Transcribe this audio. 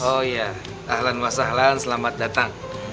oh iya ahlan wa sahlan selamat datang